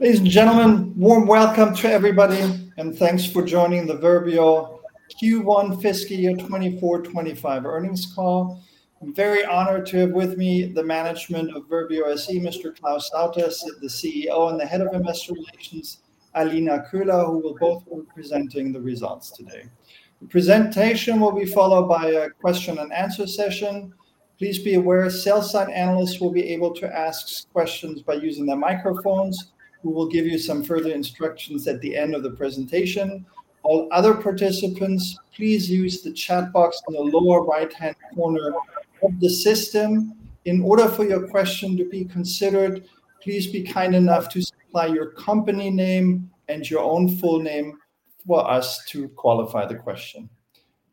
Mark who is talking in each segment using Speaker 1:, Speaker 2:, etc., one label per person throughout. Speaker 1: Ladies and gentlemen, warm welcome to everybody, and thanks for joining the Verbio Q1 Fiscal Year 2024-2025 earnings call. I'm very honored to have with me the management of Verbio SE, Mr. Claus Sauter, the CEO, and the head of investor relations, Alina Köhler, who will both be presenting the results today. The presentation will be followed by a question-and-answer session. Please be aware, sell-side analysts will be able to ask questions by using their microphones, who will give you some further instructions at the end of the presentation. All other participants, please use the chat box in the lower right-hand corner of the system. In order for your question to be considered, please be kind enough to supply your company name and your own full name for us to qualify the question.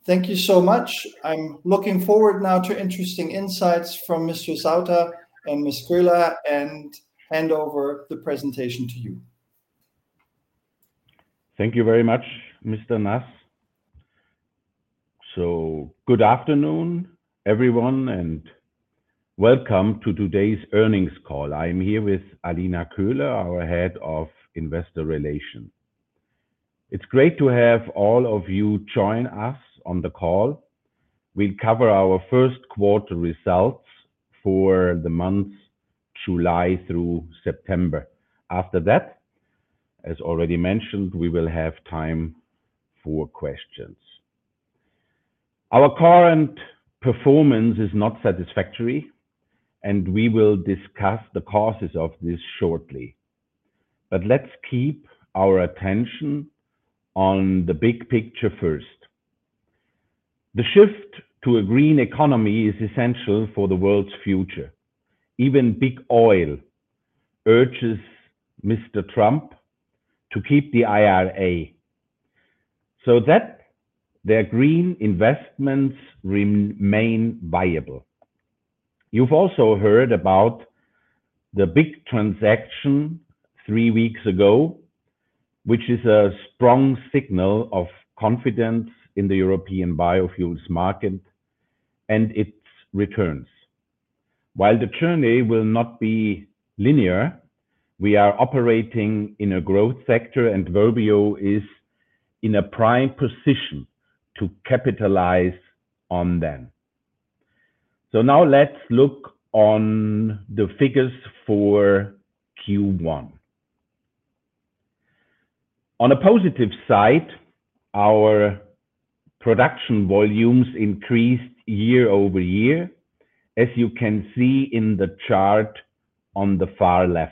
Speaker 1: Thank you so much. I'm looking forward now to interesting insights from Mr. Sauter and Ms. Köhler, and hand over the presentation to you.
Speaker 2: Thank you very much, Mr. Naas. Good afternoon, everyone, and welcome to today's earnings call. I'm here with Alina Köhler, our head of investor relations. It's great to have all of you join us on the call. We'll cover our first quarter results for the months July through September. After that, as already mentioned, we will have time for questions. Our current performance is not satisfactory, and we will discuss the causes of this shortly. Let's keep our attention on the big picture first. The shift to a green economy is essential for the world's future. Even Big Oil urges Mr. Trump to keep the IRA so that their green investments remain viable. You've also heard about the big transaction three weeks ago, which is a strong signal of confidence in the European biofuels market and its returns. While the journey will not be linear, we are operating in a growth sector, and Verbio is in a prime position to capitalize on them. So now let's look at the figures for Q1. On a positive side, our production volumes increased year-over-year, as you can see in the chart on the far left.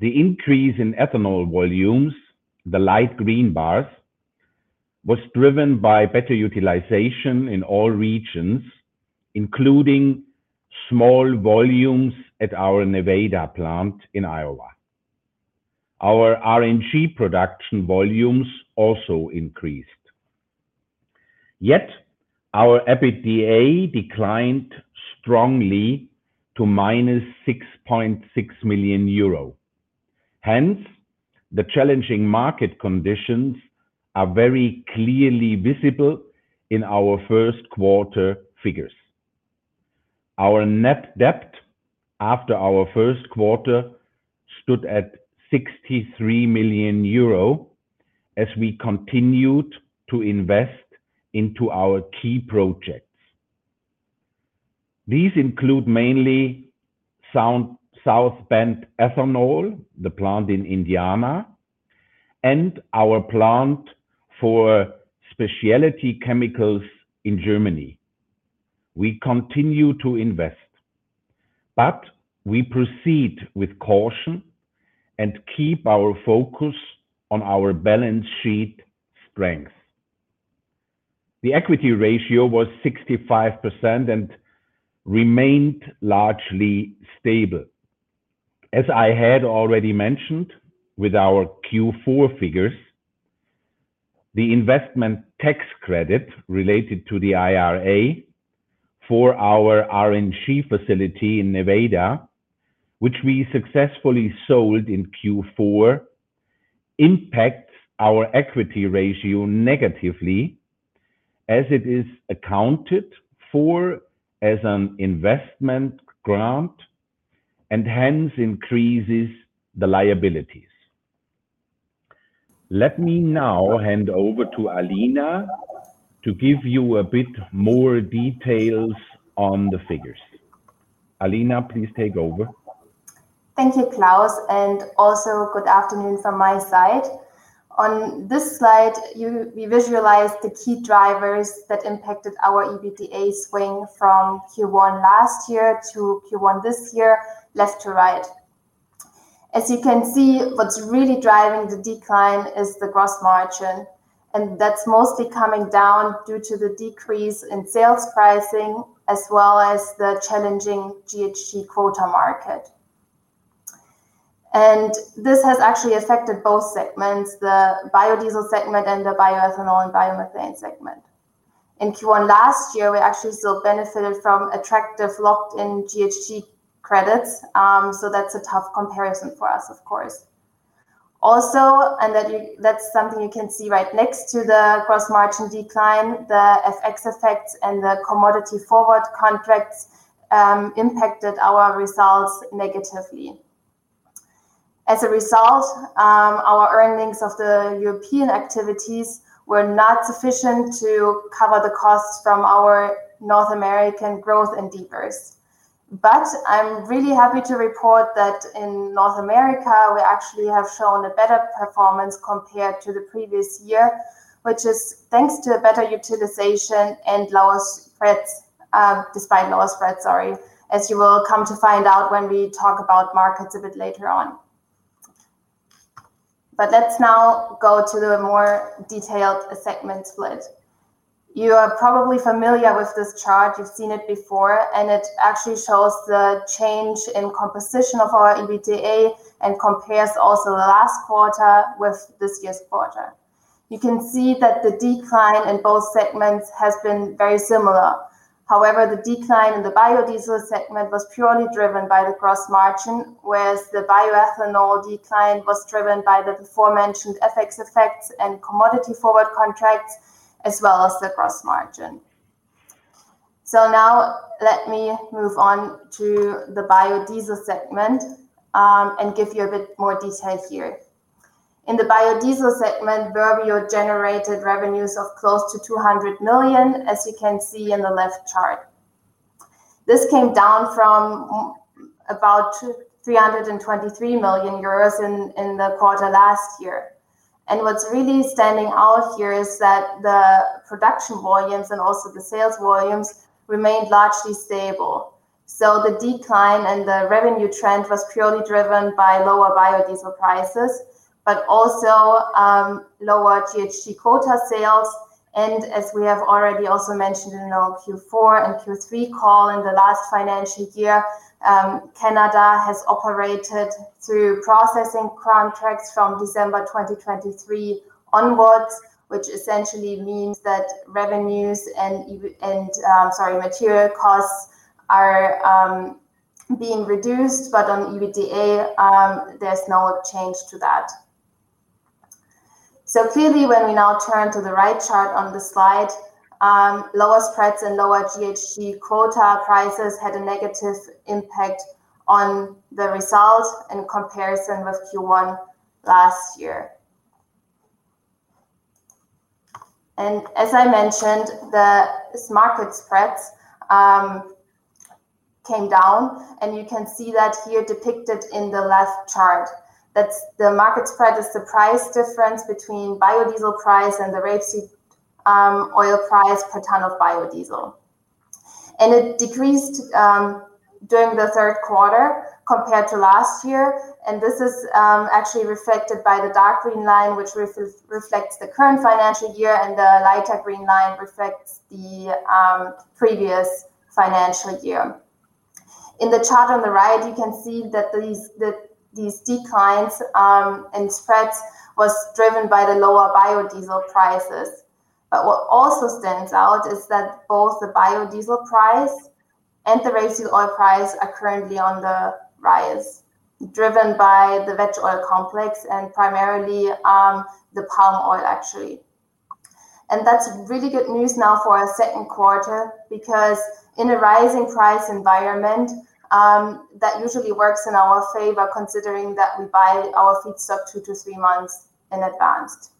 Speaker 2: The increase in ethanol volumes, the light green bars, was driven by better utilization in all regions, including small volumes at our Nevada plant in Iowa. Our RNG production volumes also increased. Yet, our EBITDA declined strongly to -6.6 million euro. Hence, the challenging market conditions are very clearly visible in our first quarter figures. Our net debt after our first quarter stood at 63 million euro as we continued to invest into our key projects. These include mainly South Bend Ethanol, the plant in Indiana, and our plant for specialty chemicals in Germany. We continue to invest, but we proceed with caution and keep our focus on our balance sheet strength. The equity ratio was 65% and remained largely stable. As I had already mentioned with our Q4 figures, the investment tax credit related to the IRA for our RNG facility in Nevada, which we successfully sold in Q4, impacts our equity ratio negatively as it is accounted for as an investment grant and hence increases the liabilities. Let me now hand over to Alina to give you a bit more details on the figures. Alina, please take over.
Speaker 3: Thank you, Claus, and also good afternoon from my side. On this slide, we visualize the key drivers that impacted our EBITDA swing from Q1 last year to Q1 this year, left to right. As you can see, what's really driving the decline is the gross margin, and that's mostly coming down due to the decrease in sales pricing as well as the challenging GHG quota market. And this has actually affected both segments, the biodiesel segment and the bioethanol and biomethane segment. In Q1 last year, we actually still benefited from attractive locked-in GHG credits, so that's a tough comparison for us, of course. Also, and that's something you can see right next to the gross margin decline, the FX effects and the commodity forward contracts impacted our results negatively. As a result, our earnings of the European activities were not sufficient to cover the costs from our North American growth and debt service. But I'm really happy to report that in North America, we actually have shown a better performance compared to the previous year, which is thanks to better utilization and lower spreads, despite lower spreads, sorry, as you will come to find out when we talk about markets a bit later on. But let's now go to the more detailed segment split. You are probably familiar with this chart. You've seen it before, and it actually shows the change in composition of our EBITDA and compares also the last quarter with this year's quarter. You can see that the decline in both segments has been very similar. However, the decline in the biodiesel segment was purely driven by the gross margin, whereas the bioethanol decline was driven by the aforementioned FX effects and commodity forward contracts as well as the gross margin. So now let me move on to the biodiesel segment and give you a bit more detail here. In the biodiesel segment, Verbio generated revenues of close to 200 million, as you can see in the left chart. This came down from about 323 million euros in the quarter last year, and what's really standing out here is that the production volumes and also the sales volumes remained largely stable, so the decline and the revenue trend was purely driven by lower biodiesel prices, but also lower GHG quota sales. As we have already also mentioned in our Q4 and Q3 call in the last financial year, Canada has operated through processing contracts from December 2023 onwards, which essentially means that revenues and, sorry, material costs are being reduced, but on EBITDA, there's no change to that. Clearly, when we now turn to the right chart on the slide, lower spreads and lower GHG quota prices had a negative impact on the result in comparison with Q1 last year. As I mentioned, the market spreads came down, and you can see that here depicted in the left chart. The market spread is the price difference between biodiesel price and the rapeseed oil price per ton of biodiesel. And it decreased during the third quarter compared to last year, and this is actually reflected by the dark green line, which reflects the current financial year, and the lighter green line reflects the previous financial year. In the chart on the right, you can see that these declines in spreads were driven by the lower biodiesel prices. But what also stands out is that both the biodiesel price and the rapeseed oil price are currently on the rise, driven by the veg oil complex and primarily the palm oil, actually. And that's really good news now for our second quarter because in a rising price environment, that usually works in our favor considering that we buy our feedstock two to three months in advance.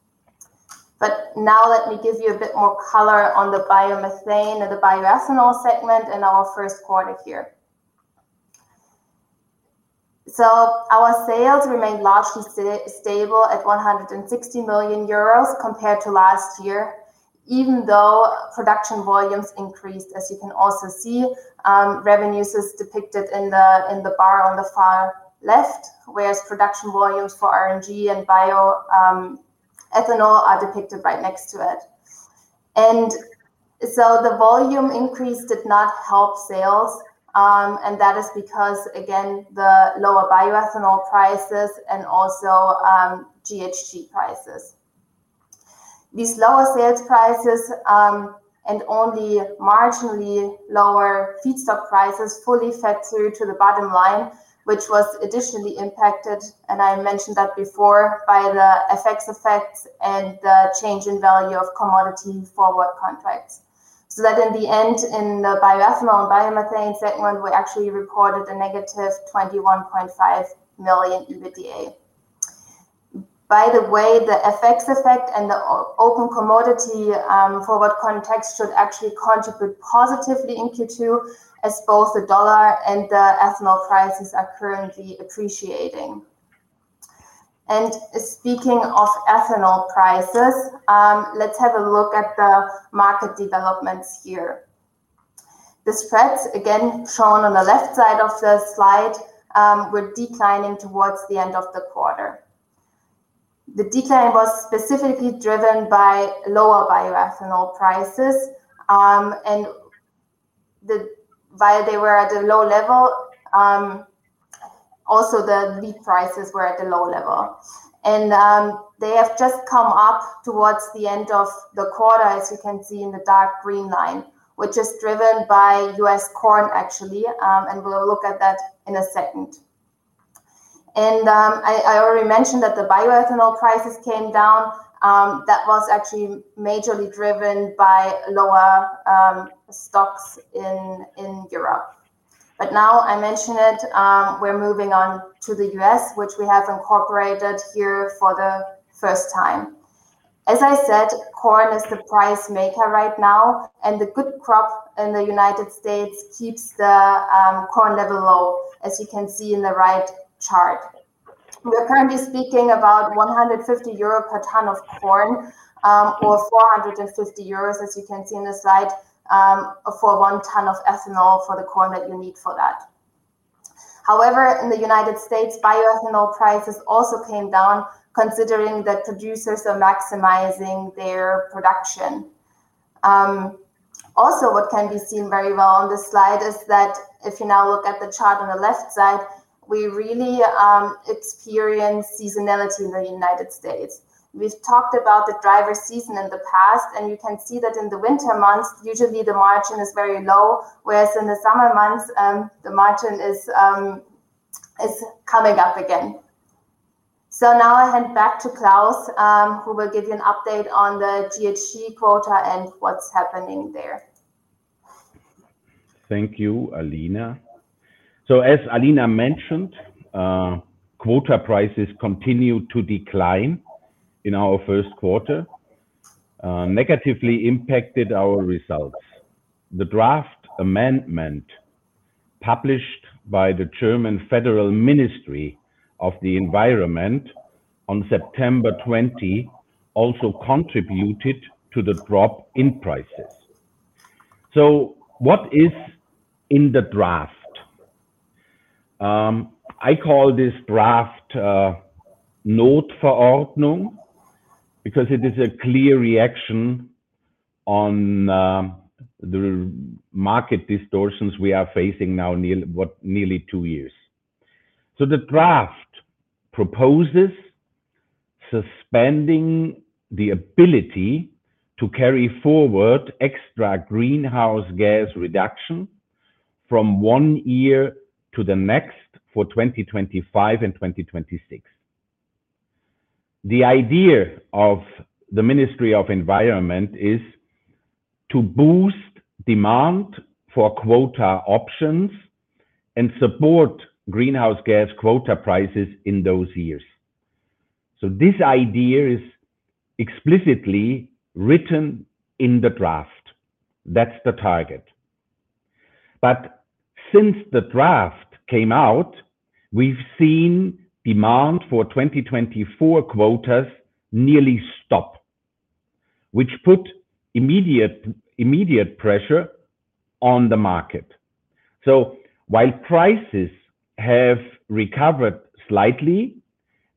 Speaker 3: But now let me give you a bit more color on the biomethane and the bioethanol segment in our first quarter here. Our sales remained largely stable at 160 million euros compared to last year, even though production volumes increased, as you can also see. Revenues is depicted in the bar on the far left, whereas production volumes for RNG and bioethanol are depicted right next to it. And so the volume increase did not help sales, and that is because, again, the lower bioethanol prices and also GHG prices. These lower sales prices and only marginally lower feedstock prices fully fed through to the bottom line, which was additionally impacted, and I mentioned that before, by the FX effects and the change in value of commodity forward contracts. So that in the end, in the bioethanol and biomethane segment, we actually reported a negative 21.5 million EBITDA. By the way, the FX effect and the open commodity forward contracts should actually contribute positively in Q2, as both the dollar and the ethanol prices are currently appreciating, and speaking of ethanol prices, let's have a look at the market developments here. The spreads, again shown on the left side of the slide, were declining towards the end of the quarter. The decline was specifically driven by lower bioethanol prices, and while they were at a low level, also the wheat prices were at a low level, and they have just come up towards the end of the quarter, as you can see in the dark green line, which is driven by U.S. corn, actually, and we'll look at that in a second, and I already mentioned that the bioethanol prices came down. That was actually majorly driven by lower stocks in Europe. But now I mention it, we're moving on to the U.S., which we have incorporated here for the first time. As I said, corn is the price maker right now, and the good crop in the United States keeps the corn level low, as you can see in the right chart. We're currently speaking about 150 euro per ton of corn or 450 euros, as you can see in the slide, for one ton of ethanol for the corn that you need for that. However, in the United States, bioethanol prices also came down considering that producers are maximizing their production. Also, what can be seen very well on this slide is that if you now look at the chart on the left side, we really experience seasonality in the United States. We've talked about the driving season in the past, and you can see that in the winter months, usually the margin is very low, whereas in the summer months, the margin is coming up again. So now I hand back to Claus, who will give you an update on the GHG quota and what's happening there.
Speaker 2: Thank you, Alina. So as Alina mentioned, quota prices continued to decline in our first quarter, negatively impacted our results. The draft amendment published by the German Federal Ministry of the Environment on September 20 also contributed to the drop in prices. So what is in the draft? I call this draft not an ordinance because it is a clear reaction on the market distortions we are facing now nearly two years. So the draft proposes suspending the ability to carry forward extra greenhouse gas reduction from one year to the next for 2025 and 2026. The idea of the Ministry of Environment is to boost demand for quota options and support greenhouse gas quota prices in those years. So this idea is explicitly written in the draft. That's the target. But since the draft came out, we've seen demand for 2024 quotas nearly stop, which put immediate pressure on the market. So while prices have recovered slightly,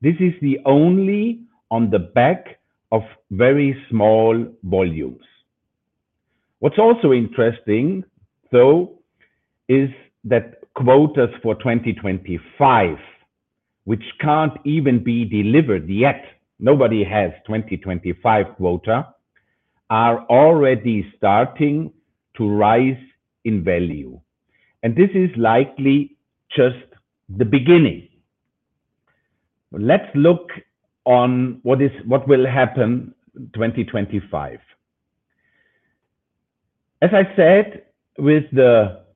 Speaker 2: this is only on the back of very small volumes. What's also interesting, though, is that quotas for 2025, which can't even be delivered yet, nobody has 2025 quota, are already starting to rise in value. And this is likely just the beginning. Let's look at what will happen in 2025. As I said, with the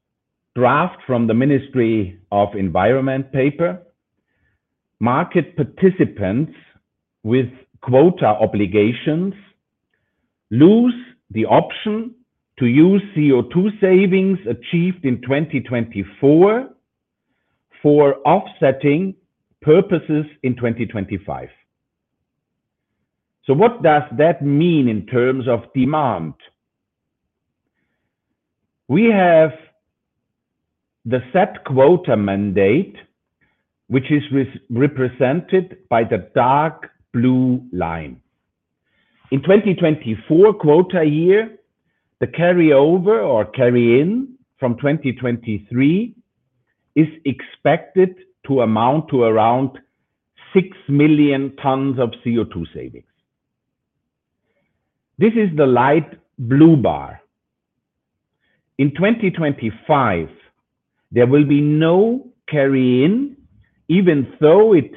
Speaker 2: draft from the Ministry of Environment paper, market participants with quota obligations lose the option to use CO2 savings achieved in 2024 for offsetting purposes in 2025. So what does that mean in terms of demand? We have the set quota mandate, which is represented by the dark blue line. In 2024 quota year, the carryover or carry-in from 2023 is expected to amount to around six million tons of CO2 savings. This is the light blue bar. In 2025, there will be no carry-in, even though it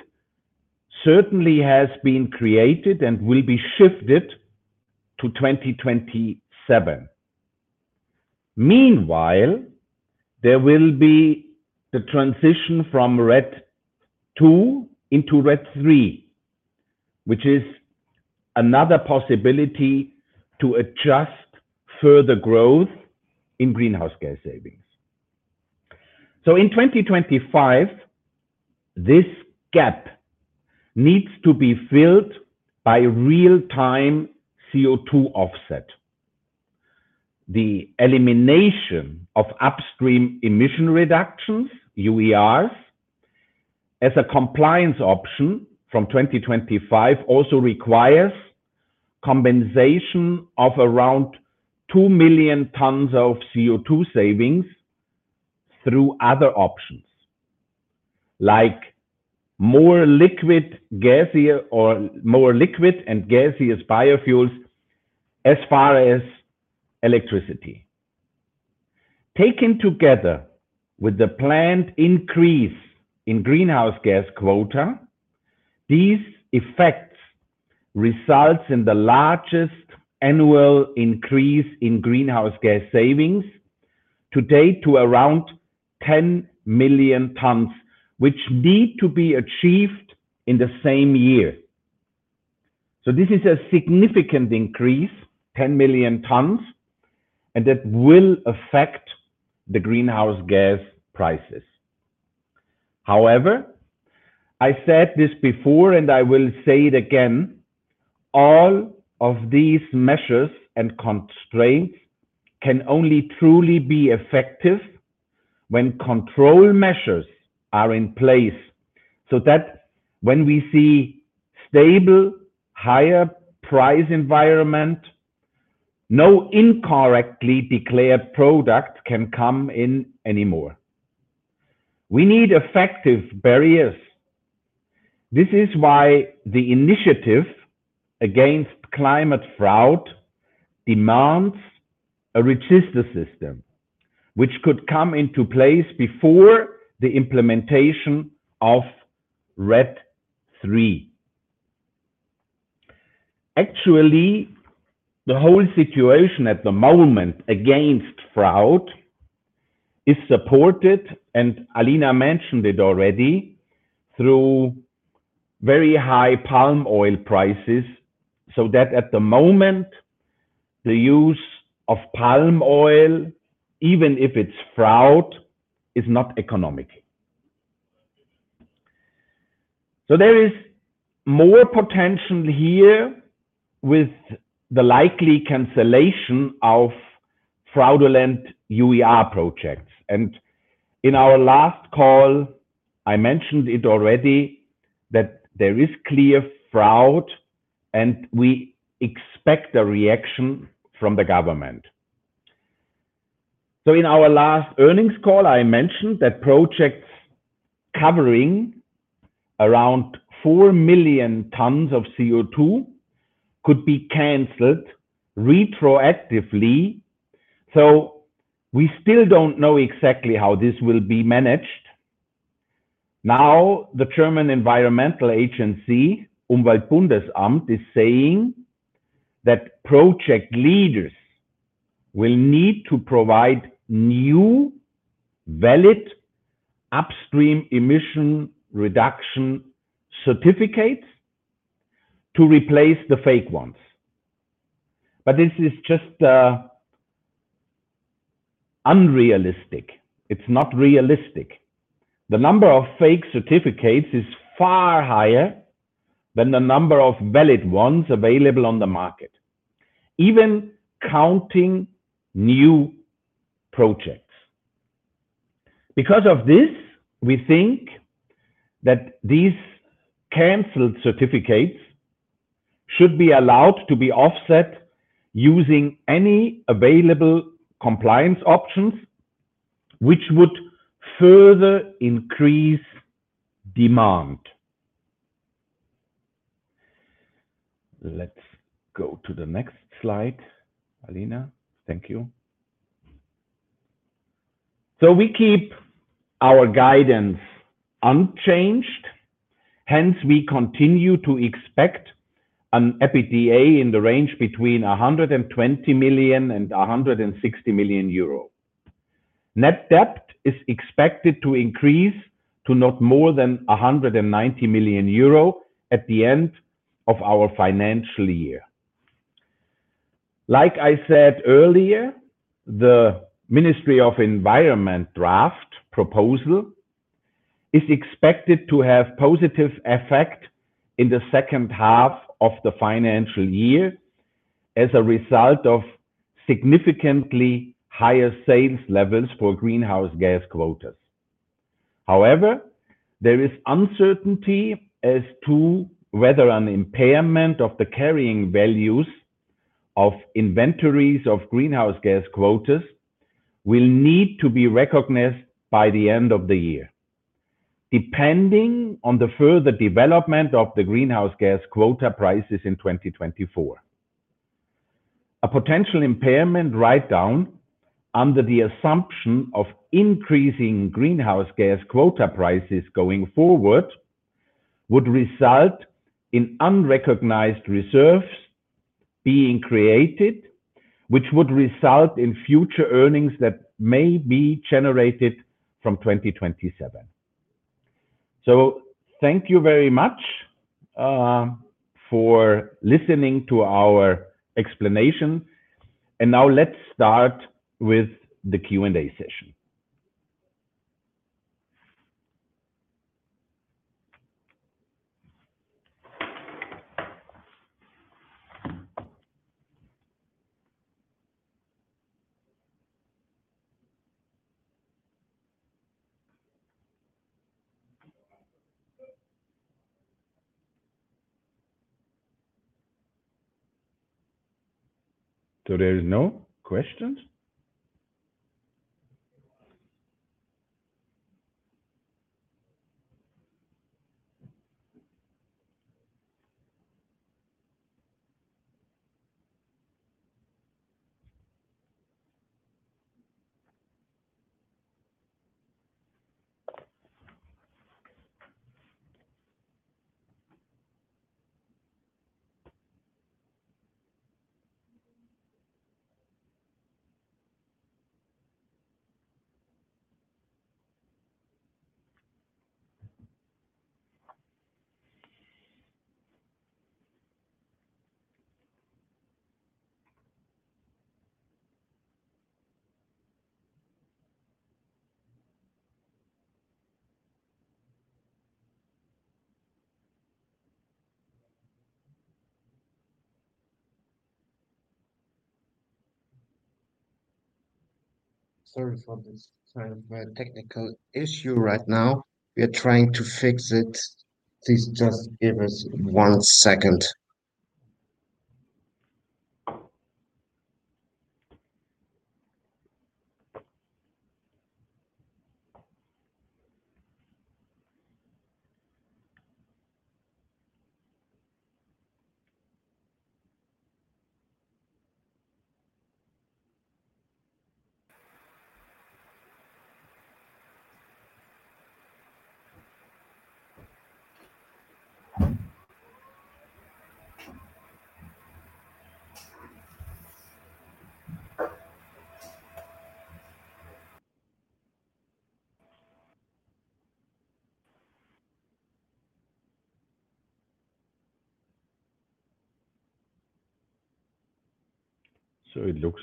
Speaker 2: certainly has been created and will be shifted to 2027. Meanwhile, there will be the transition from RED II into RED III, which is another possibility to adjust further growth in greenhouse gas savings. So in 2025, this gap needs to be filled by real-time CO2 offset. The elimination of upstream emission reductions, UERs, as a compliance option from 2025 also requires compensation of around two million tons of CO2 savings through other options, like more liquid and gaseous biofuels as far as electricity. Taken together with the planned increase in greenhouse gas quota, these effects result in the largest annual increase in greenhouse gas savings today to around 10 million tons, which need to be achieved in the same year. So this is a significant increase, 10 million tons, and that will affect the greenhouse gas prices. However, I said this before, and I will say it again, all of these measures and constraints can only truly be effective when control measures are in place so that when we see stable, higher price environment, no incorrectly declared product can come in anymore. We need effective barriers. This is why the initiative against climate fraud demands a register system, which could come into place before the implementation of RED III. Actually, the whole situation at the moment against fraud is supported, and Alina mentioned it already, through very high palm oil prices, so that at the moment, the use of palm oil, even if it's fraud, is not economic. So there is more potential here with the likely cancellation of fraudulent UER projects. And in our last call, I mentioned it already that there is clear fraud, and we expect a reaction from the government. So in our last earnings call, I mentioned that projects covering around 4 million tons of CO2 could be canceled retroactively. So we still don't know exactly how this will be managed. Now, the German Environmental Agency, Umweltbundesamt, is saying that project leaders will need to provide new valid upstream emission reduction certificates to replace the fake ones. But this is just unrealistic. It's not realistic. The number of fake certificates is far higher than the number of valid ones available on the market, even counting new projects. Because of this, we think that these canceled certificates should be allowed to be offset using any available compliance options, which would further increase demand. Let's go to the next slide, Alina. Thank you. So we keep our guidance unchanged. Hence, we continue to expect an EBITDA in the range between 120 million and 160 million euro. Net debt is expected to increase to not more than 190 million euro at the end of our financial year. Like I said earlier, the Ministry of Environment draft proposal is expected to have a positive effect in the second half of the financial year as a result of significantly higher sales levels for greenhouse gas quotas. However, there is uncertainty as to whether an impairment of the carrying values of inventories of greenhouse gas quotas will need to be recognized by the end of the year, depending on the further development of the greenhouse gas quota prices in 2024. A potential impairment write-down under the assumption of increasing greenhouse gas quota prices going forward would result in unrecognized reserves being created, which would result in future earnings that may be generated from 2027. So thank you very much for listening to our explanation. And now let's start with the Q&A session. So there are no questions?
Speaker 1: Sorry for this technical issue right now. We are trying to fix it. Please just give us one second.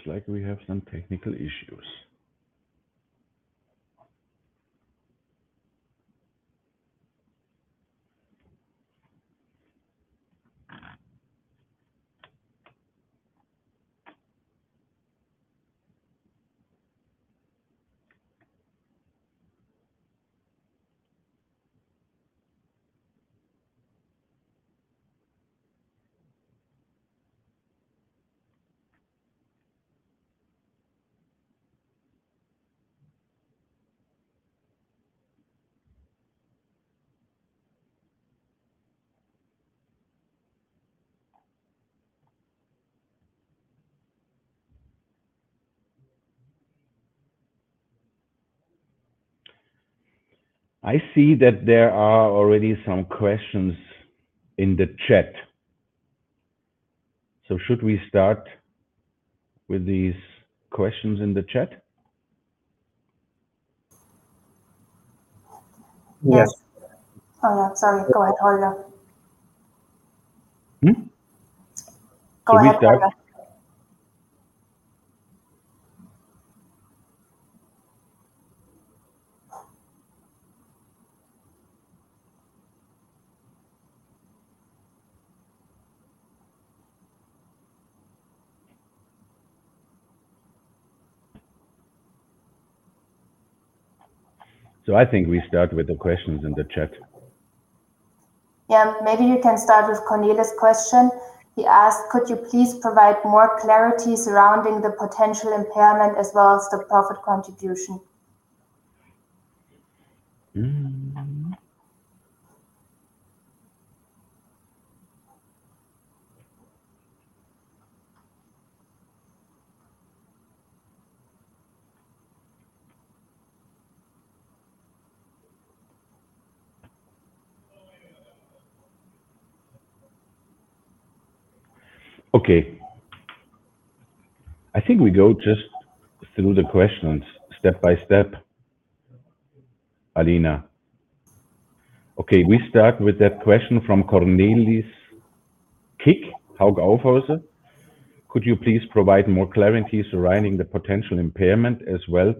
Speaker 2: So it looks like we have some technical issues. I see that there are already some questions in the chat. So should we start with these questions in the chat? Yes.
Speaker 3: Sorry. Go ahead, Olaf. Go ahead, Olaf.
Speaker 2: So, I think we start with the questions in the chat.
Speaker 3: Yeah. Maybe you can start with Cornelis's question. He asked, "Could you please provide more clarity surrounding the potential impairment as well as the profit contribution?
Speaker 2: Okay. I think we go just through the questions step by step, Alina. Okay. We start with that question from Cornelis Kik, Hauck Aufhäuser. "Could you please provide more clarity surrounding the potential impairment as well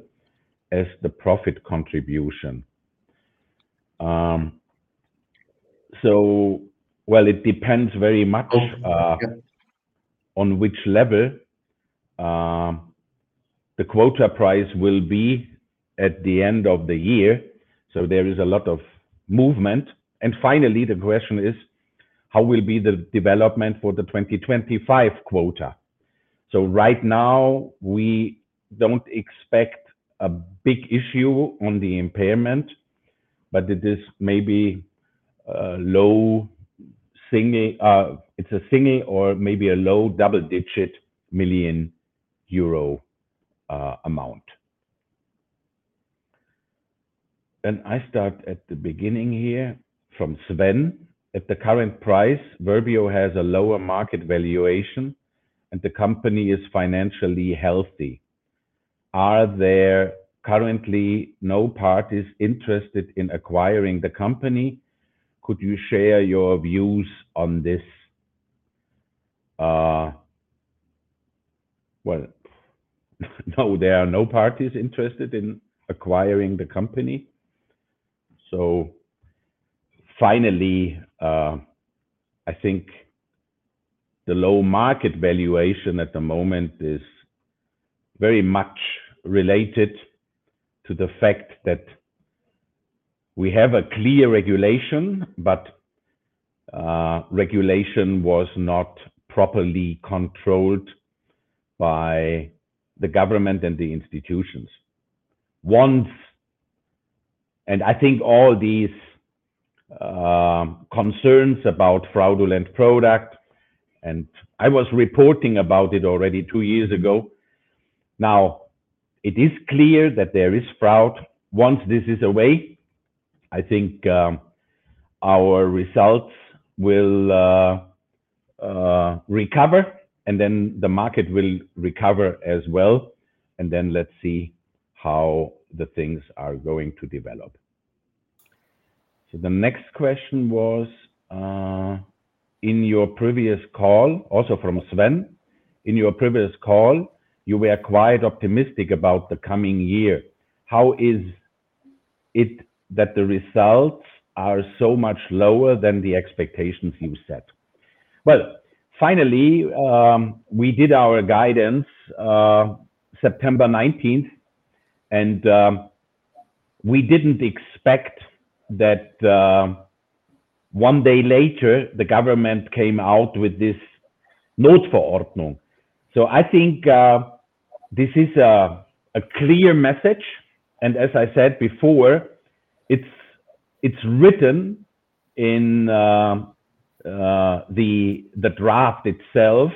Speaker 2: as the profit contribution?" So, well, it depends very much on which level the quota price will be at the end of the year. So there is a lot of movement. And finally, the question is, "How will be the development for the 2025 quota?" So right now, we don't expect a big issue on the impairment, but it is maybe a low single, it's a single or maybe a low double-digit million EUR amount. And I start at the beginning here from Sven. "At the current price, Verbio has a lower market valuation, and the company is financially healthy. Are there currently no parties interested in acquiring the company? Could you share your views on this?" Well, no, there are no parties interested in acquiring the company, so finally, I think the low market valuation at the moment is very much related to the fact that we have a clear regulation, but regulation was not properly controlled by the government and the institutions, and I think all these concerns about fraudulent product, and I was reporting about it already two years ago, now, it is clear that there is fraud. Once this is away, I think our results will recover, and then the market will recover as well, and then let's see how the things are going to develop, so the next question was, "In your previous call," also from Sven, "In your previous call, you were quite optimistic about the coming year. How is it that the results are so much lower than the expectations you set?" Well, finally, we did our guidance September 19th, and we didn't expect that one day later, the government came out with this Notverordnung. So I think this is a clear message. And as I said before, it's written in the draft itself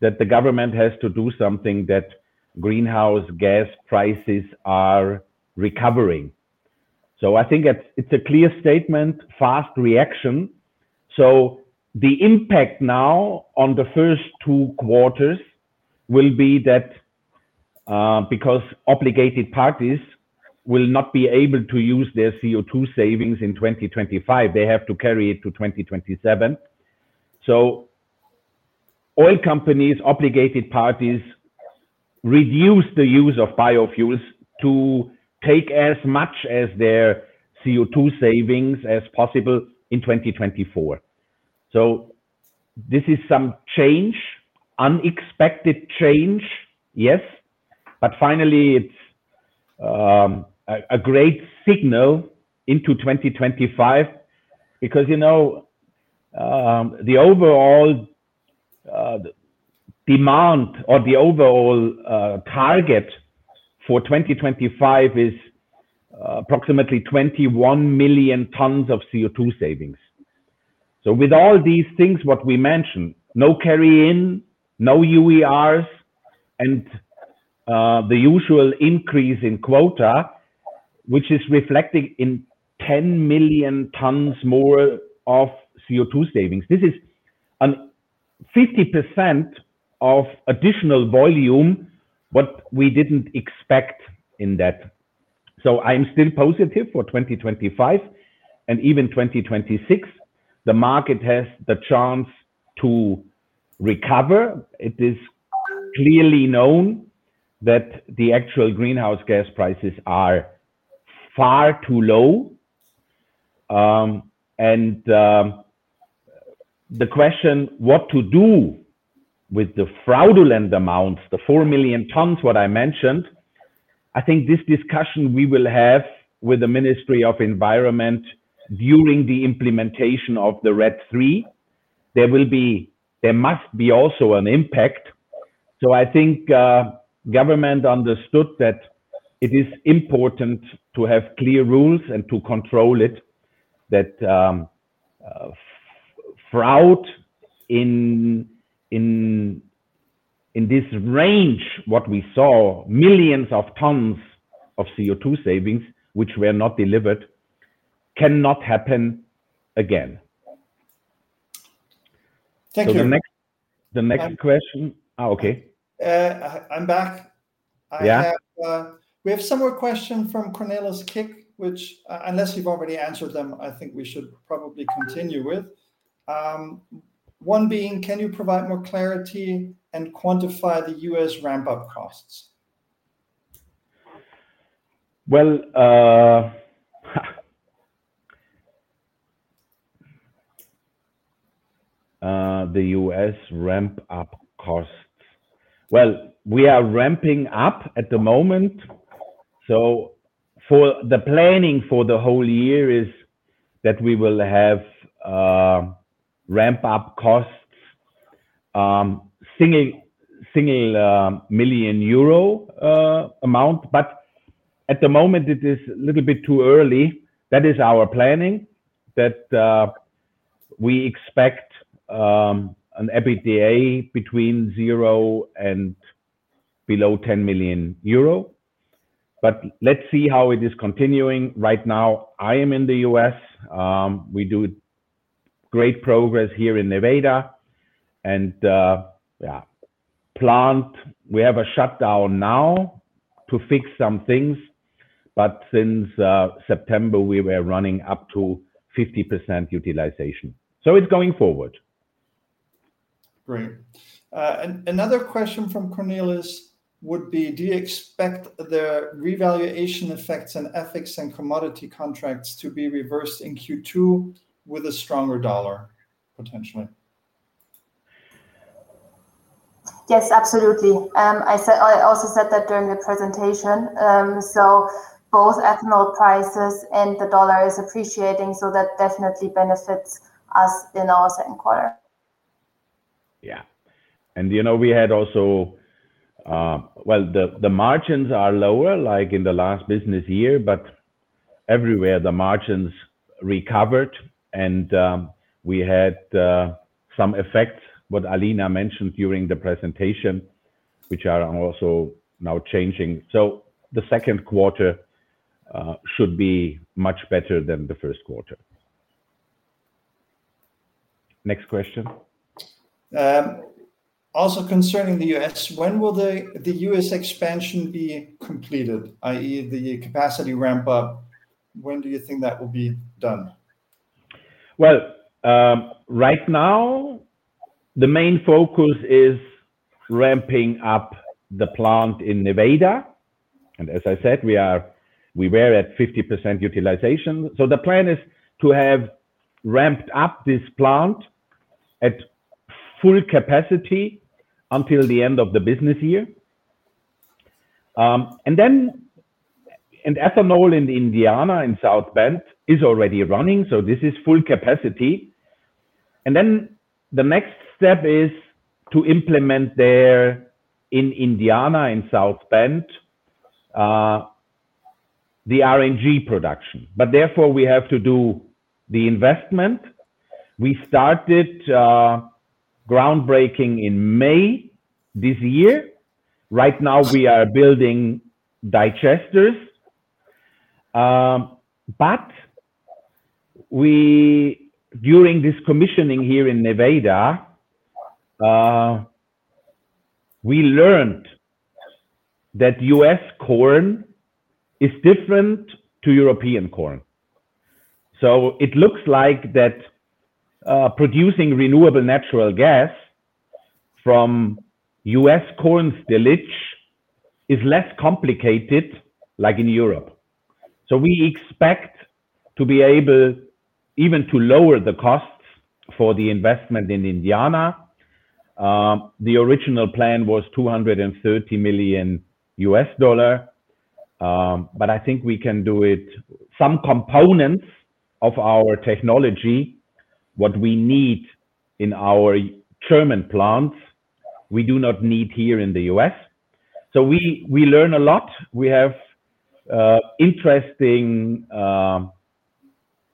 Speaker 2: that the government has to do something that greenhouse gas prices are recovering. So I think it's a clear statement, fast reaction. So the impact now on the first two quarters will be that because obligated parties will not be able to use their CO2 savings in 2025, they have to carry it to 2027. So oil companies, obligated parties reduce the use of biofuels to take as much as their CO2 savings as possible in 2024. So this is some change, unexpected change, yes. But finally, it's a great signal into 2025 because the overall demand or the overall target for 2025 is approximately 21 million tons of CO2 savings. So with all these things what we mentioned, no carry-in, no UERs, and the usual increase in quota, which is reflecting in 10 million tons more of CO2 savings. This is 50% of additional volume what we didn't expect in that. So I'm still positive for 2025. And even 2026, the market has the chance to recover. It is clearly known that the actual greenhouse gas prices are far too low. And the question, what to do with the fraudulent amounts, the 4 million tons what I mentioned, I think this discussion we will have with the Ministry of Environment during the implementation of the RED III, there must be also an impact. So, I think the government understood that it is important to have clear rules and to control it, that fraud in this range, what we saw, millions of tons of CO2 savings, which were not delivered, cannot happen again. Thank you.
Speaker 1: So the next question, oh, okay. I'm back. We have some more questions from Cornelis Kik, which, unless you've already answered them, I think we should probably continue with. One being, "Can you provide more clarity and quantify the U.S. ramp-up costs?
Speaker 2: The U.S. ramp-up costs, well, we are ramping up at the moment. So the planning for the whole year is that we will have ramp-up costs, EUR 1 million amount. But at the moment, it is a little bit too early. That is our planning, that we expect an EBITDA between 0 and below 10 million euro. But let's see how it is continuing. Right now, I am in the U.S. We do great progress here in Nevada. And yeah, planned we have a shutdown now to fix some things. But since September, we were running up to 50% utilization. So it's going forward.
Speaker 1: Great. Another question from Cornelis would be, "Do you expect the revaluation effects on hedges and commodity contracts to be reversed in Q2 with a stronger dollar, potentially?
Speaker 3: Yes, absolutely. I also said that during the presentation. So both ethanol prices and the dollar is appreciating, so that definitely benefits us in our second quarter.
Speaker 2: Yeah. And we had also, well, the margins are lower like in the last business year, but everywhere the margins recovered. And we had some effects, what Alina mentioned during the presentation, which are also now changing. So the second quarter should be much better than the first quarter. Next question.
Speaker 1: Also concerning the U.S., when will the U.S. expansion be completed, i.e., the capacity ramp-up? When do you think that will be done?
Speaker 2: Right now, the main focus is ramping up the plant in Nevada, and as I said, we were at 50% utilization, so the plan is to have ramped up this plant at full capacity until the end of the business year, and ethanol in Indiana in South Bend is already running, so this is full capacity, and then the next step is to implement there in Indiana, in South Bend, the RNG production, but therefore, we have to do the investment. We started groundbreaking in May this year. Right now, we are building digesters, but during this commissioning here in Nevada, we learned that U.S. corn is different to European corn, so it looks like that producing renewable natural gas from U.S. corn silage is less complicated like in Europe, so we expect to be able even to lower the costs for the investment in Indiana. The original plan was $230 million. But I think we can do it. Some components of our technology, what we need in our German plants, we do not need here in the U.S., so we learn a lot. We have interesting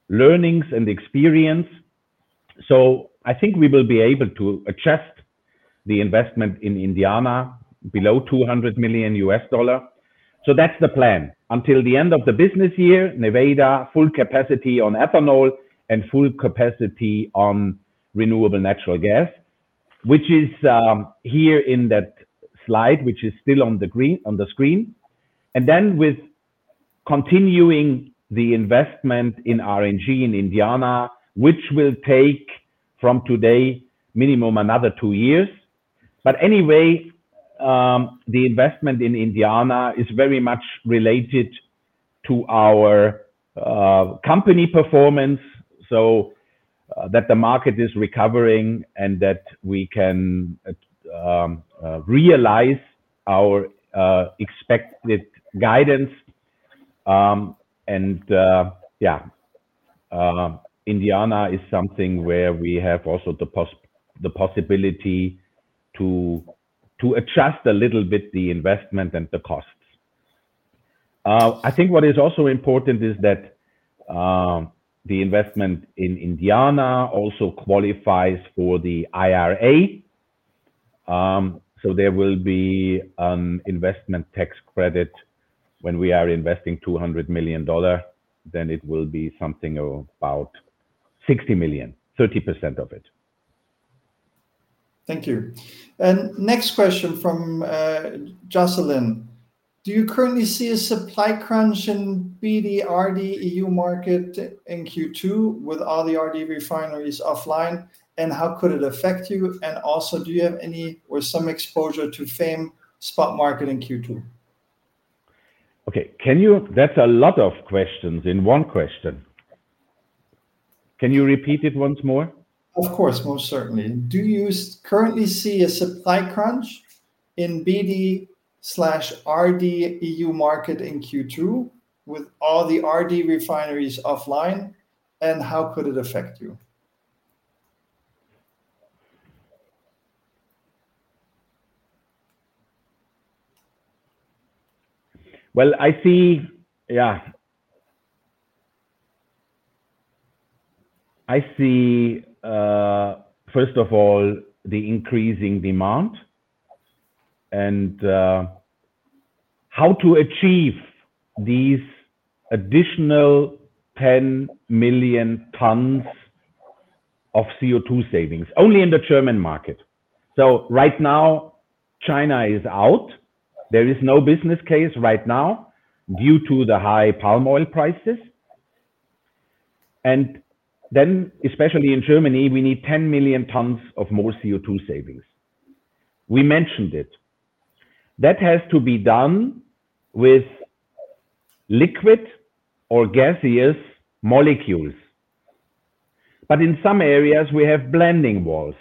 Speaker 2: learnings and experience, so I think we will be able to adjust the investment in Indiana below $200 million, so that's the plan. Until the end of the business year, Nevada full capacity on ethanol and full capacity on renewable natural gas, which is here in that slide, which is still on the screen, and then with continuing the investment in RNG in Indiana, which will take from today minimum another two years, but anyway, the investment in Indiana is very much related to our company performance, so that the market is recovering and that we can realize our expected guidance. And yeah, Indiana is something where we have also the possibility to adjust a little bit the investment and the costs. I think what is also important is that the investment in Indiana also qualifies for the IRA. So there will be an investment tax credit when we are investing $200 million. Then it will be something about $60 million, 30% of it.
Speaker 1: Thank you. And next question from Jocelyn. "Do you currently see a supply crunch in BD/RD EU market in Q2 with all the RD refineries offline? And how could it affect you? And also, do you have any or some exposure to FAME spot market in Q2?
Speaker 2: Okay. That's a lot of questions in one question. Can you repeat it once more?
Speaker 1: Of course, most certainly. "Do you currently see a supply crunch in BD/RD EU market in Q2 with all the RD refineries offline? And how could it affect you?
Speaker 2: I see, yeah. I see, first of all, the increasing demand and how to achieve these additional 10 million tons of CO2 savings only in the German market. So right now, China is out. There is no business case right now due to the high palm oil prices. And then, especially in Germany, we need 10 million tons of more CO2 savings. We mentioned it. That has to be done with liquid or gaseous molecules. But in some areas, we have blending walls.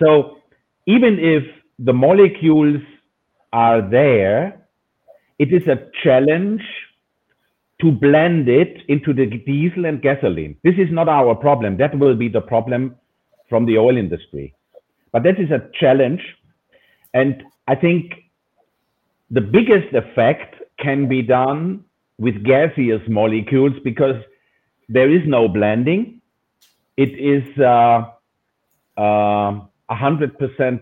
Speaker 2: So even if the molecules are there, it is a challenge to blend it into the diesel and gasoline. This is not our problem. That will be the problem from the oil industry. But that is a challenge. And I think the biggest effect can be done with gaseous molecules because there is no blending. It is 100%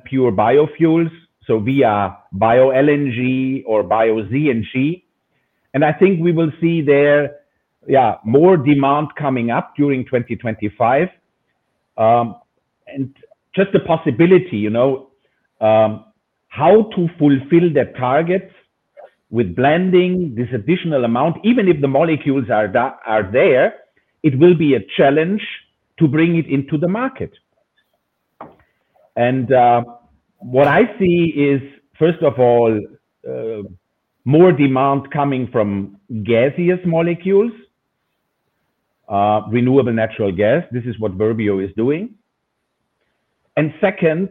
Speaker 2: pure biofuels. So via bio-LNG or bio-CNG. And I think we will see there, yeah, more demand coming up during 2025. And just the possibility how to fulfill that target with blending this additional amount, even if the molecules are there, it will be a challenge to bring it into the market. And what I see is, first of all, more demand coming from gaseous molecules, renewable natural gas. This is what Verbio is doing. And second,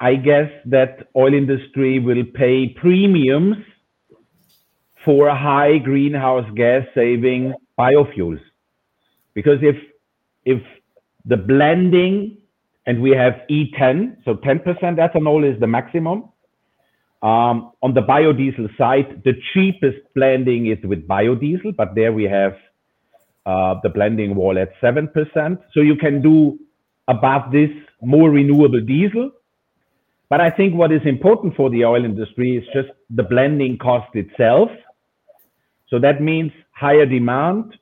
Speaker 2: I guess that oil industry will pay premiums for high greenhouse gas saving biofuels because if the blending and we have E10, so 10% ethanol is the maximum. On the biodiesel side, the cheapest blending is with biodiesel, but there we have the blending wall at 7%. So you can do above this more renewable diesel. But I think what is important for the oil industry is just the blending cost itself. That means higher demand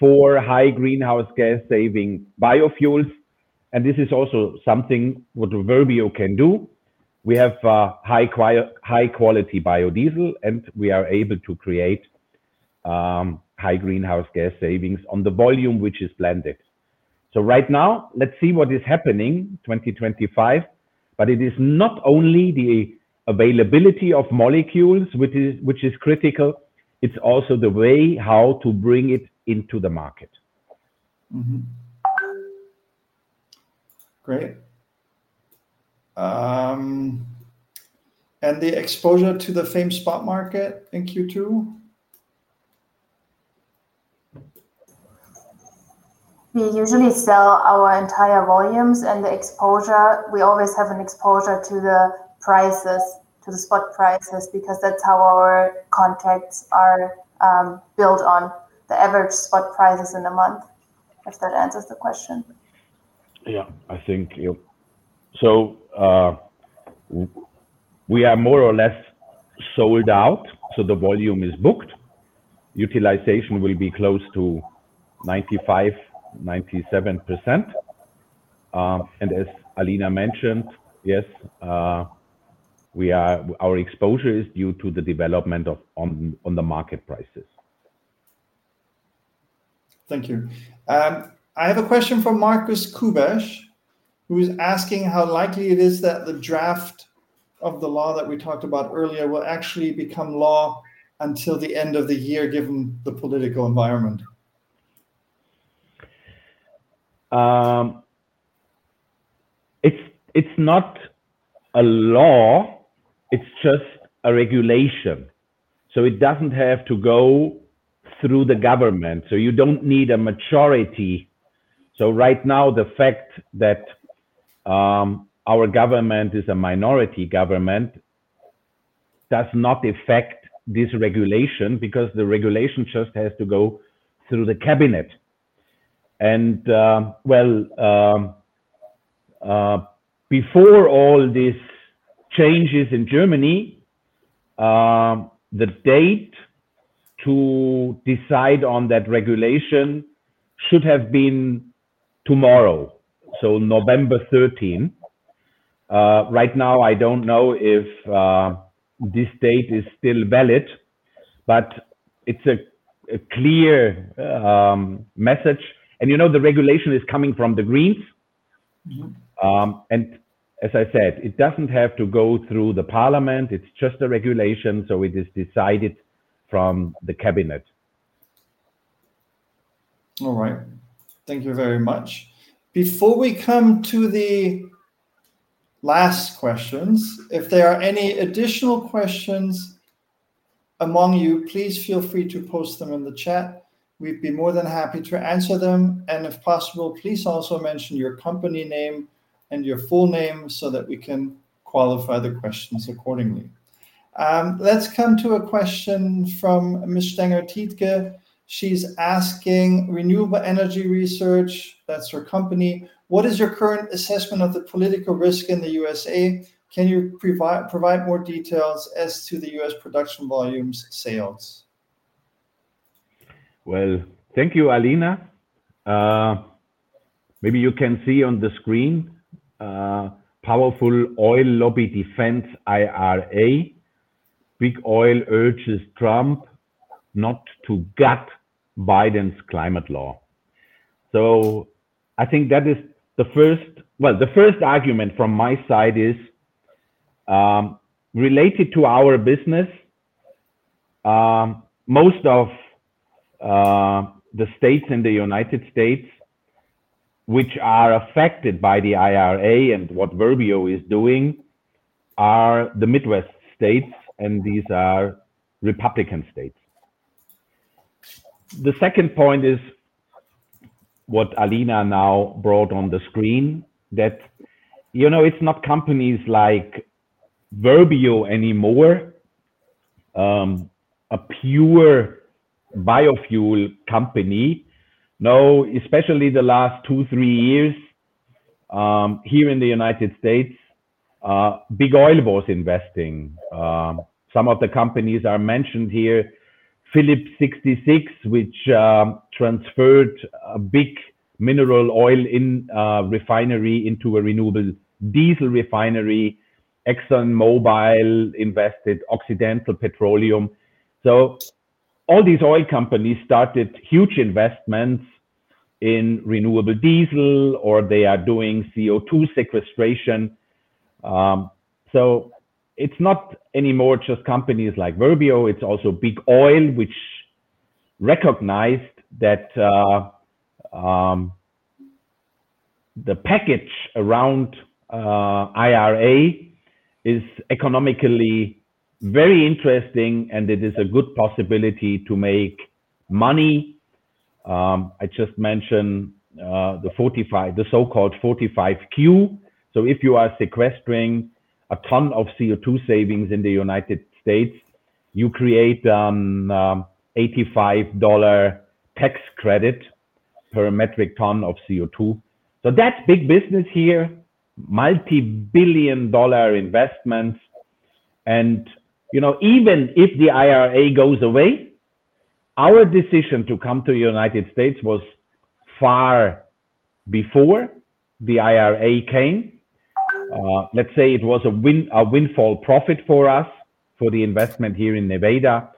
Speaker 2: for high greenhouse gas saving biofuels. And this is also something what Verbio can do. We have high-quality biodiesel, and we are able to create high greenhouse gas savings on the volume which is blended. So right now, let's see what is happening 2025. But it is not only the availability of molecules, which is critical. It's also the way how to bring it into the market.
Speaker 1: Great. And the exposure to the FAME spot market in Q2?
Speaker 3: We usually sell our entire volumes and the exposure. We always have an exposure to the prices, to the spot prices, because that's how our contracts are built on the average spot prices in a month, if that answers the question.
Speaker 2: Yeah. I think so. We are more or less sold out. So the volume is booked. Utilization will be close to 95%-97%. And as Alina mentioned, yes, our exposure is due to the development of on-the-market prices.
Speaker 1: Thank you. I have a question from Markus Kubesch, who is asking how likely it is that the draft of the law that we talked about earlier will actually become law until the end of the year, given the political environment.
Speaker 2: It's not a law. It's just a regulation. So it doesn't have to go through the government. So you don't need a majority. So right now, the fact that our government is a minority government does not affect this regulation because the regulation just has to go through the cabinet. And, well, before all these changes in Germany, the date to decide on that regulation should have been tomorrow, so November 13. Right now, I don't know if this date is still valid, but it's a clear message. And the regulation is coming from the Greens. And as I said, it doesn't have to go through the parliament. It's just a regulation. So it is decided from the cabinet.
Speaker 1: All right. Thank you very much. Before we come to the last questions, if there are any additional questions among you, please feel free to post them in the chat. We'd be more than happy to answer them. And if possible, please also mention your company name and your full name so that we can qualify the questions accordingly. Let's come to a question from Ms. Stenger-Tiedtke. She's asking, "Renewable Energy Research," that's her company, "What is your current assessment of the political risk in the USA? Can you provide more details as to the U.S. production volumes sales?
Speaker 2: Well, thank you, Alina. Maybe you can see on the screen, "Powerful oil lobby defends IRA, big oil urges Trump not to gut Biden's climate law." So I think that is the first, the first argument from my side is related to our business. Most of the states in the United States which are affected by the IRA and what Verbio is doing are the Midwest states, and these are Republican states. The second point is what Alina now brought on the screen, that it's not companies like Verbio anymore, a pure biofuel company. Now, especially the last two, three years here in the United States, big oil was investing. Some of the companies are mentioned here, Phillips 66, which transferred a big mineral oil refinery into a renewable diesel refinery. ExxonMobil invested in Occidental Petroleum. So all these oil companies started huge investments in renewable diesel, or they are doing CO2 sequestration. So it's not anymore just companies like Verbio. It's also big oil, which recognized that the package around IRA is economically very interesting, and it is a good possibility to make money. I just mentioned the so-called 45Q. So if you are sequestering a ton of CO2 savings in the United States, you create an $85 tax credit per metric ton of CO2. So that's big business here, multi-billion dollar investments. And even if the IRA goes away, our decision to come to the United States was far before the IRA came. Let's say it was a windfall profit for us for the investment here in Nevada.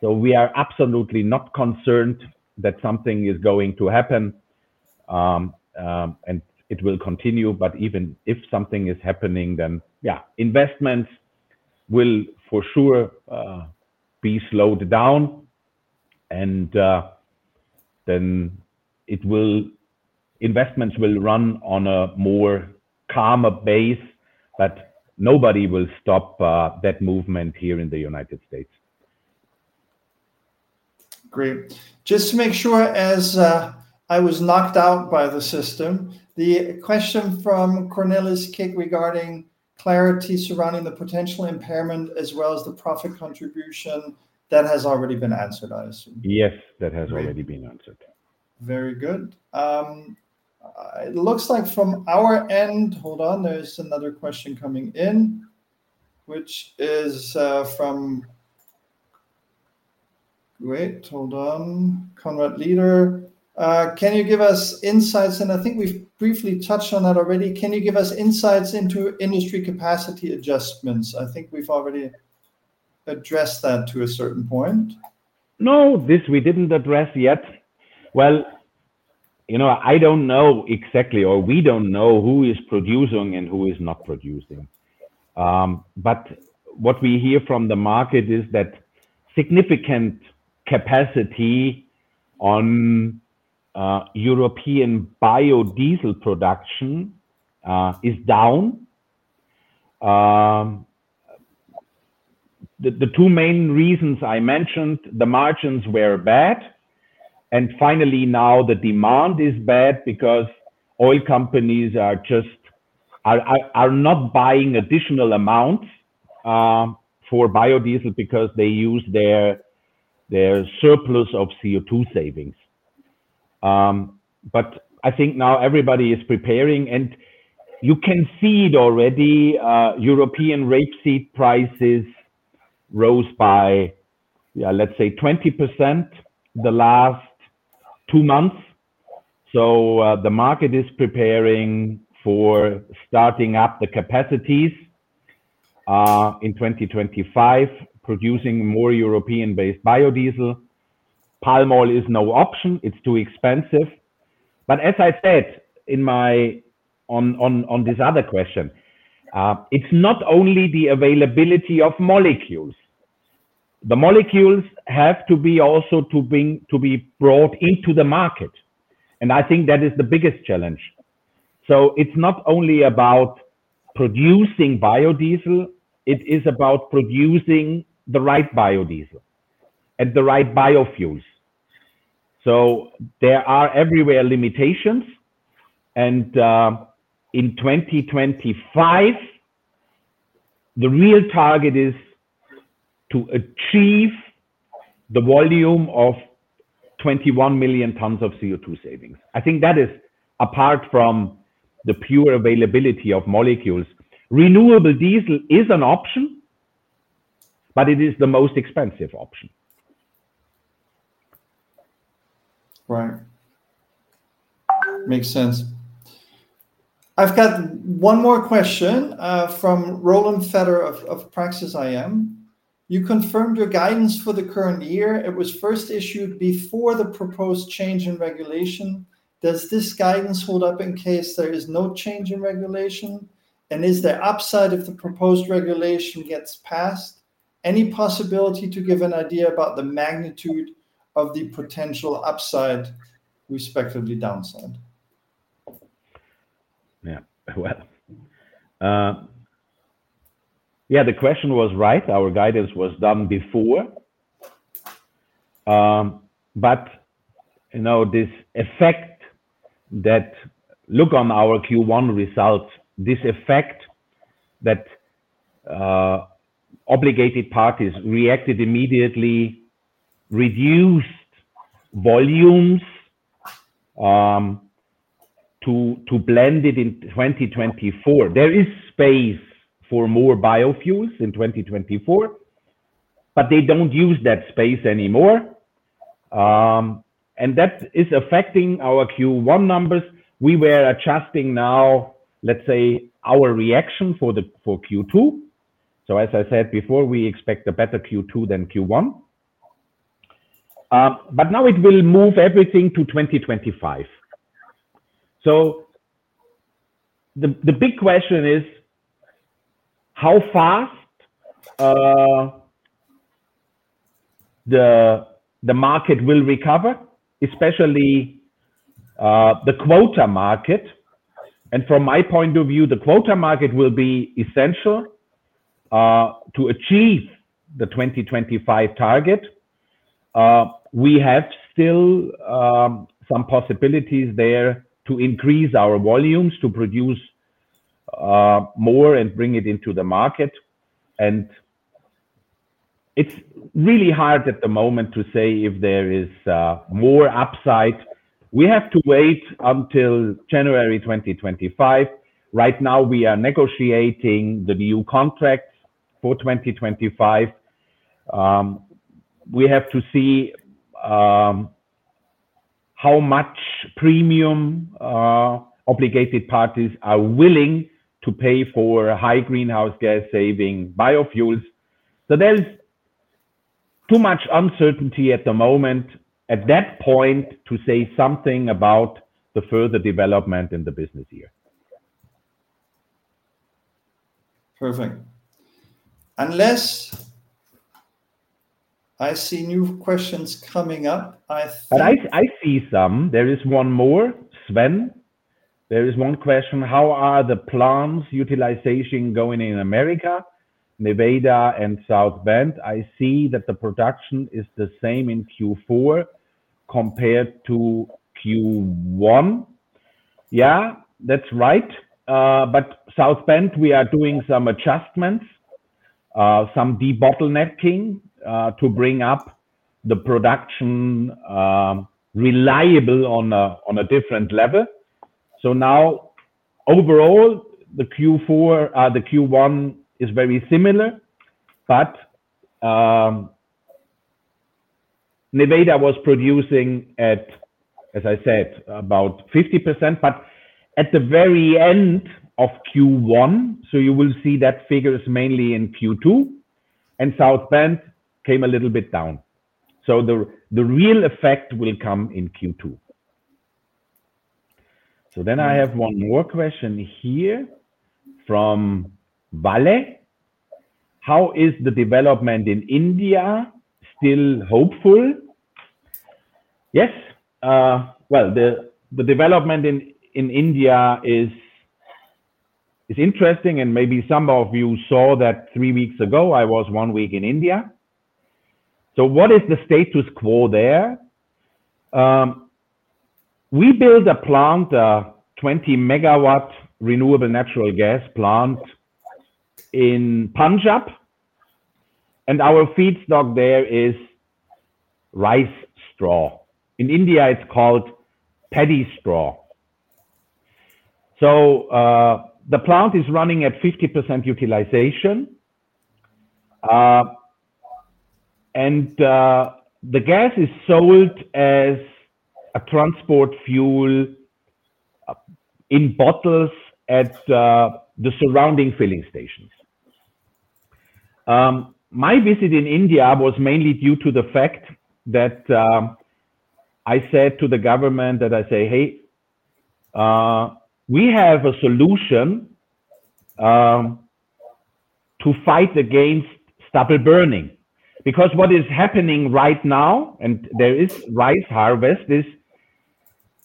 Speaker 2: So we are absolutely not concerned that something is going to happen, and it will continue. But even if something is happening, then yeah, investments will for sure be slowed down. And then investments will run on a more calmer base. But nobody will stop that movement here in the United States.
Speaker 1: Great. Just to make sure, as I was knocked out by the system, the question from Cornelis Kik regarding clarity surrounding the potential impairment as well as the profit contribution, that has already been answered, I assume.
Speaker 2: Yes, that has already been answered.
Speaker 1: Very good. It looks like from our end, there's another question coming in, which is from Conrad Leder. "Can you give us insights?" And I think we've briefly touched on that already. "Can you give us insights into industry capacity adjustments?" I think we've already addressed that to a certain point.
Speaker 2: No, this we didn't address yet, well, I don't know exactly, or we don't know who is producing and who is not producing, but what we hear from the market is that significant capacity on European biodiesel production is down. The two main reasons I mentioned, the margins were bad, and finally, now the demand is bad because oil companies are not buying additional amounts for biodiesel because they use their surplus of CO2 savings, but I think now everybody is preparing, and you can see it already. European rapeseed prices rose by, yeah, let's say 20% the last two months, so the market is preparing for starting up the capacities in 2025, producing more European-based biodiesel. Palm oil is no option. It's too expensive, but as I said on this other question, it's not only the availability of molecules. The molecules have also to be brought into the market. And I think that is the biggest challenge. So it's not only about producing biodiesel. It is about producing the right biodiesel and the right biofuels. So there are everywhere limitations. And in 2025, the real target is to achieve the volume of 21 million tons of CO2 savings. I think that is apart from the pure availability of molecules. Renewable diesel is an option, but it is the most expensive option.
Speaker 1: Right. Makes sense. I've got one more question from Roland Vetter of Praxis Capital. "You confirmed your guidance for the current year. It was first issued before the proposed change in regulation. Does this guidance hold up in case there is no change in regulation? And is the upside if the proposed regulation gets passed? Any possibility to give an idea about the magnitude of the potential upside, respectively downside?
Speaker 2: Yeah. Well, yeah, the question was right. Our guidance was done before. But this effect that looks on our Q1 results, this effect that obligated parties reacted immediately, reduced volumes to blend it in 2024. There is space for more biofuels in 2024, but they don't use that space anymore. And that is affecting our Q1 numbers. We were adjusting now, let's say, our reaction for Q2. So as I said before, we expect a better Q2 than Q1. But now it will move everything to 2025. So the big question is how fast the market will recover, especially the quota market. And from my point of view, the quota market will be essential to achieve the 2025 target. We have still some possibilities there to increase our volumes, to produce more and bring it into the market. It's really hard at the moment to say if there is more upside. We have to wait until January 2025. Right now, we are negotiating the new contracts for 2025. We have to see how much premium obligated parties are willing to pay for high greenhouse gas-saving biofuels. There's too much uncertainty at the moment at that point to say something about the further development in the business year.
Speaker 1: Perfect. Unless I see new questions coming up, I think.
Speaker 2: I see some. There is one more, Sven. There is one question. "How are the plants' utilization going in America, Nevada and South Bend? I see that the production is the same in Q4 compared to Q1." Yeah, that's right. But South Bend, we are doing some adjustments, some de-bottlenecking to bring up the production reliable on a different level. So now, overall, the Q1 is very similar. But Nevada was producing at, as I said, about 50%, but at the very end of Q1. So you will see that figure is mainly in Q2. And South Bend came a little bit down. So the real effect will come in Q2. So then I have one more question here from Vale. "How is the development in India still hopeful?" Yes. Well, the development in India is interesting. And maybe some of you saw that three weeks ago. I was one week in India, so what is the status quo there? We built a plant, a 20-megawatt renewable natural gas plant in Punjab. And our feedstock there is rice straw. In India, it's called paddy straw, so the plant is running at 50% utilization. And the gas is sold as a transport fuel in bottles at the surrounding filling stations. My visit in India was mainly due to the fact that I said to the government that I say, "Hey, we have a solution to fight against stubble burning." Because what is happening right now, and there is rice harvest, is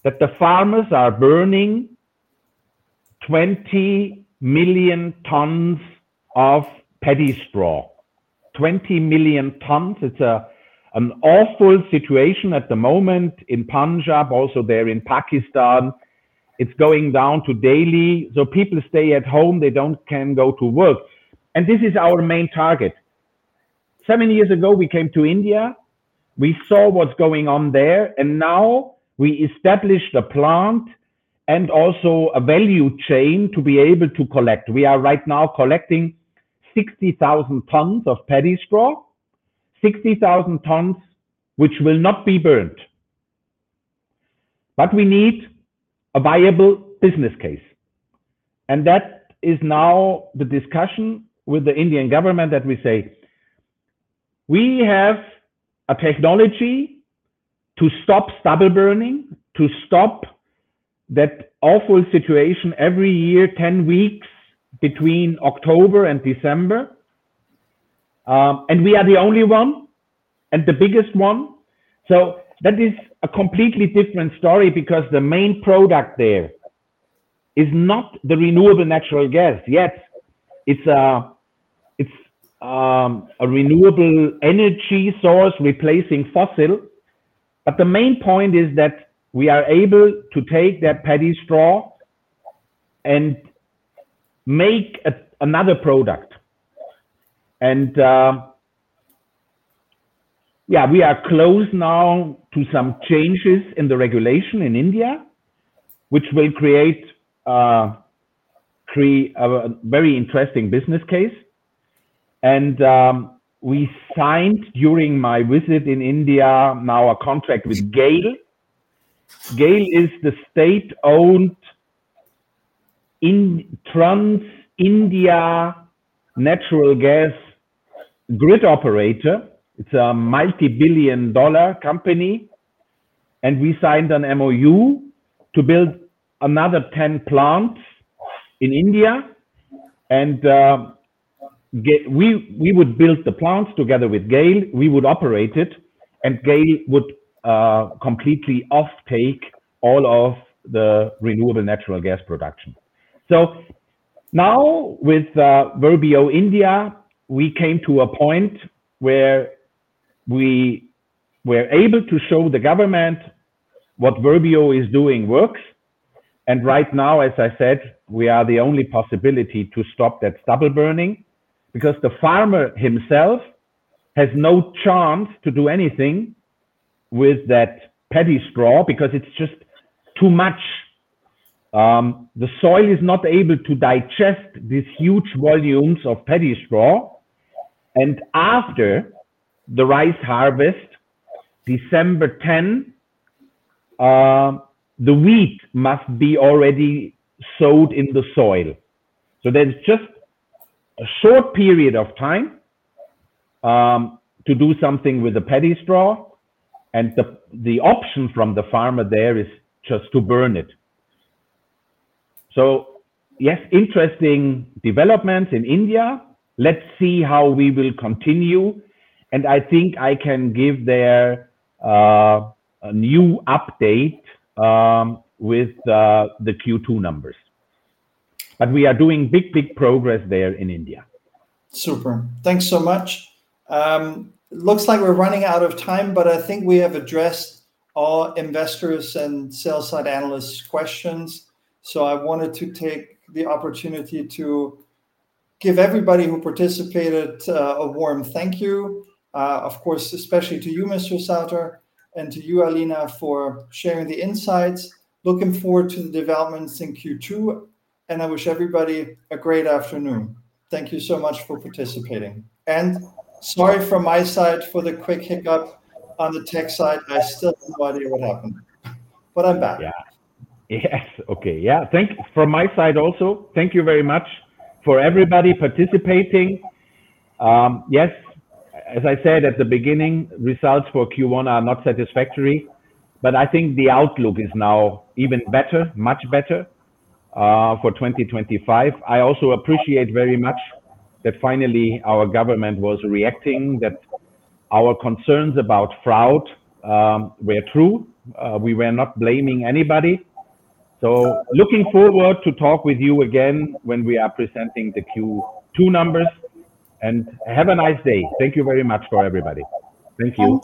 Speaker 2: that the farmers are burning 20 million tons of paddy straw. 20 million tons. It's an awful situation at the moment in Punjab. Also, there in Pakistan, it's going down to Delhi, so people stay at home. They don't can go to work. This is our main target. Seven years ago, we came to India. We saw what's going on there. Now we established a plant and also a value chain to be able to collect. We are right now collecting 60,000 tons of paddy straw. 60,000 tons which will not be burned. We need a viable business case. That is now the discussion with the Indian government that we say, "We have a technology to stop stubble burning, to stop that awful situation every year, 10 weeks between October and December." We are the only one and the biggest one. That is a completely different story because the main product there is not the renewable natural gas. Yes, it's a renewable energy source replacing fossil. The main point is that we are able to take that paddy straw and make another product. Yeah, we are close now to some changes in the regulation in India, which will create a very interesting business case. We signed during my visit in India now a contract with GAIL. GAIL is the state-owned trans-India natural gas grid operator. It's a multi-billion dollar company. We signed an MoU to build another 10 plants in India. We would build the plants together with GAIL. We would operate it. GAIL would completely offtake all of the renewable natural gas production. Now with Verbio India, we came to a point where we were able to show the government what Verbio is doing works. Right now, as I said, we are the only possibility to stop that stubble burning because the farmer himself has no chance to do anything with that paddy straw because it's just too much. The soil is not able to digest these huge volumes of paddy straw. And after the rice harvest, December 10, the wheat must be already sown in the soil. So there's just a short period of time to do something with the paddy straw. And the option from the farmer there is just to burn it. So yes, interesting developments in India. Let's see how we will continue. And I think I can give there a new update with the Q2 numbers. But we are doing big, big progress there in India.
Speaker 1: Super. Thanks so much. Looks like we're running out of time, but I think we have addressed all investors' and sales side analysts' questions. So I wanted to take the opportunity to give everybody who participated a warm thank you. Of course, especially to you, Mr. Sauter, and to you, Alina, for sharing the insights. Looking forward to the developments in Q2. And I wish everybody a great afternoon. Thank you so much for participating. And sorry from my side for the quick hiccup on the tech side. I still have no idea what happened. But I'm back.
Speaker 2: From my side also, thank you very much for everybody participating. Yes. As I said at the beginning, results for Q1 are not satisfactory. But I think the outlook is now even better, much better for 2025. I also appreciate very much that finally our government was reacting, that our concerns about fraud were true. We were not blaming anybody. So looking forward to talk with you again when we are presenting the Q2 numbers. And have a nice day. Thank you very much for everybody.
Speaker 1: Thank you.